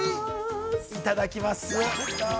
◆いただきます。